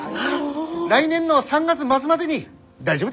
来年の３月末までに大丈夫ですよね？